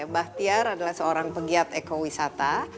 bahtiar adalah seorang pegiat ekowisata